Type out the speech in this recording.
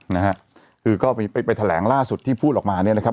นะฮะคือก็ไปไปแถลงล่าสุดที่พูดออกมาเนี่ยนะครับ